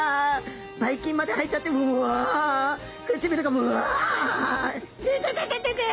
ばい菌まで入っちゃってうわ唇がうわイテテテテテ。